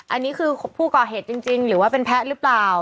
อันนี้คือผู้ก่อเหตุจริงหรือว่าเป็นแพ้หรือเปล่า